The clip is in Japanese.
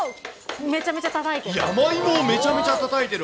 山芋をめちゃめちゃたたいてる。